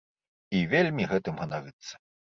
І вельмі гэтым ганарыцца.